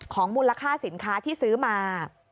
มูลค่าสินค้าที่ซื้อมา